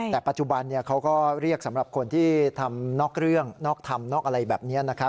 แต่ปัจจุบันเขาก็เรียกสำหรับคนที่ทำนอกเรื่องนอกธรรมนอกอะไรแบบนี้